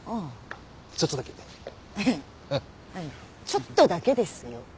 ちょっとだけですよ。